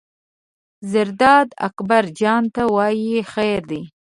زرداد اکبر جان ته وایي: خیر دی.